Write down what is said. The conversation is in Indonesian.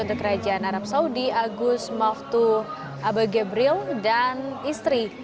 untuk kerajaan arab saudi agus maftu abagebril dan istri